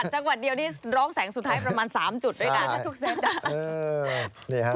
จังหวัดเดียวนี่ร้องแสงสุดท้ายประมาณ๓จุดด้วยกันถ้าทุกเซต